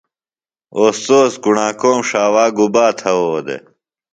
اوستوذ کُݨاکوم ݜاوا گُبا تھوؤ دےۡ؟